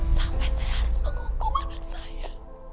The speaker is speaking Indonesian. sampai saya harus mengukuh badan saya